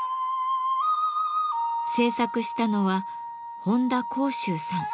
制作したのは本多孝舟さん。